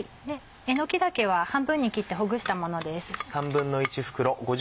えのき茸は半分に切ってほぐしたものです。